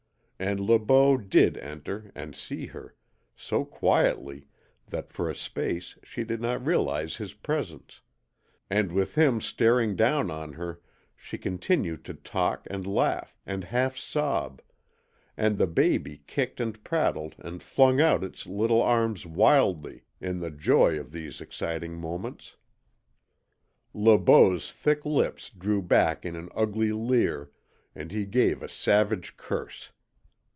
And Le Beau DID enter and see her so quietly that for a space she did not realize his presence; and with him staring down on her she continued to talk and laugh and half sob, and the baby kicked and prattled and flung out its little arms wildly in the joy of these exciting moments. Le Beau's thick lips drew back in an ugly leer, and he gave a savage curse.